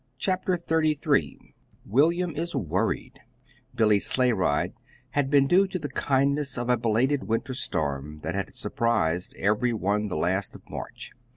CHAPTER XXXIII WILLIAM IS WORRIED Billy's sleigh ride had been due to the kindness of a belated winter storm that had surprised every one the last of March.